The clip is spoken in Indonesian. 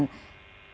jauh dari keramaian